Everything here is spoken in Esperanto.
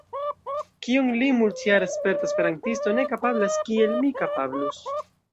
Kion li, multjara sperta esperantisto, ne kapablas, kiel mi kapablus?